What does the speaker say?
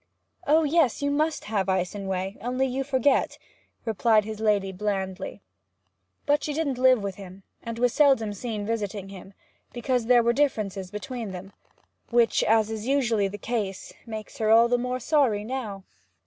'Oh yes, you must have, Icenway; only you forget,' replied his lady blandly. 'But she didn't live with him, and was seldom seen visiting him, because there were differences between them; which, as is usually the case, makes her all the more sorry now.'